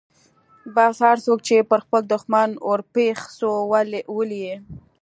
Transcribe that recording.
بس هرڅوک چې پر خپل دښمن ورپېښ سو ولي يې.